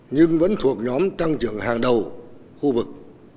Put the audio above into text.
nhưng vẫn thuộc nhóm tăng trưởng hàng đầu khu vực